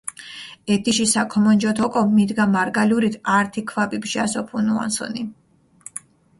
ეთიში საქომონჯოთ ოკო, მიდგა მარგალურით ართი ქვაბი ბჟას ოფუნუანსჷნი.